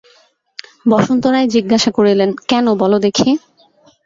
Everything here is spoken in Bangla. বসন্ত রায় জিজ্ঞাসা করিলেন, কেন বলো দেখি?